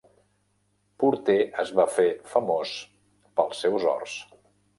Porter es va fer famós pels seus horts.